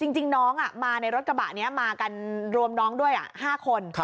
จริงน้องมาในรถกระบะนี้มากันรวมน้องด้วย๕คน